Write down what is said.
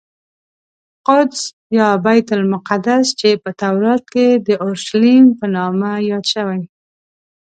قدس یا بیت المقدس چې په تورات کې د اورشلیم په نامه یاد شوی.